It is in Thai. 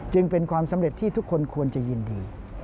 จึงเป็นความสำเร็จที่ทุกคนควรจะยินดี